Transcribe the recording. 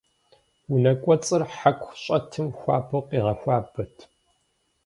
Унэкӏуэцӏыр хьэку щӏэтым хуабэу къигъэхуабэт.